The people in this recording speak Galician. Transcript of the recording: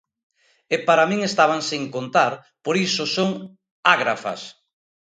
E para min estaban sen contar, por iso son "ágrafas".